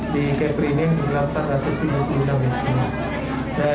di kepri ini delapan ratus tiga puluh enam